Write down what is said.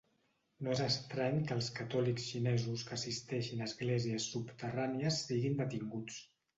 No és estrany que els catòlics xinesos que assisteixin a esglésies subterrànies siguin detinguts.